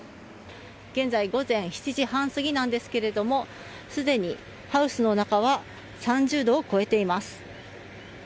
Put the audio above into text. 現在午前７時半過ぎですけれどすでにハウスの中は３０度を超えています。